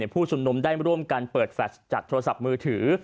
ผู้ชุมนุมได้ร่วมกันเปิดแฟชจากโทรศัพท์มือถือ